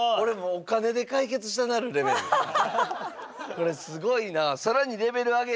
これすごいなあ。